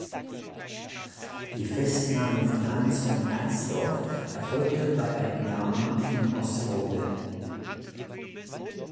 Die Festnahme von Hans von Eisdorf erfolgte bei einem Jahrmarkt in Osterode.